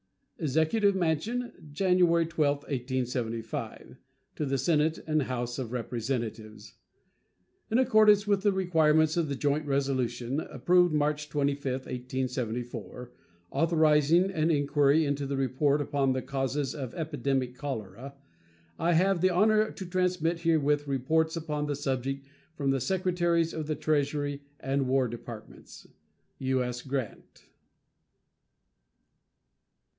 EXECUTIVE MANSION, January 12, 1875. To the Senate and House of Representatives: In accordance with the requirements of the joint resolution approved March 25, 1874, authorizing an inquiry into and report upon the causes of epidemic cholera, I have the honor to transmit herewith reports upon the subject from the Secretaries of the Treasury and War Departments. U.S. GRANT.